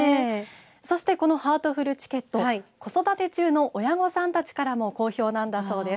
そして、このハートフルチケット子育て中の親御さんたちからも好評なんだそうです。